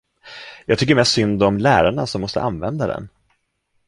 Jag tycker mest synd om lärarna som måste använda den.